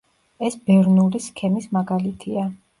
ეს ბერნულის სქემის მაგალითია.